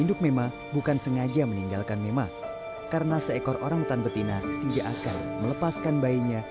induk mema bukan sengaja meninggalkan mema karena seekor orangutan betina tidak akan melepaskan bayinya